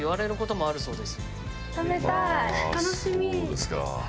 そうですか。